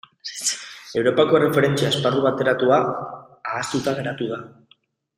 Europako Erreferentzia Esparru Bateratua ahaztuta geratu da.